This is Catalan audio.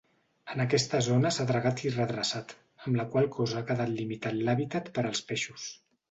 En aquesta zona s'ha dragat i redreçat, amb la qual cosa ha quedat limitat l'hàbitat per als peixos.